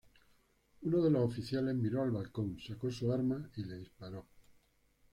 Uno de los oficiales miró al balcón, sacó su arma y le disparó.